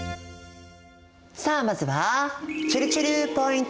さあまずはちぇるちぇるポイント